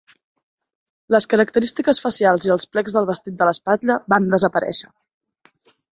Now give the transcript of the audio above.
Les característiques facials i els plecs del vestit de l'espatlla van desaparèixer.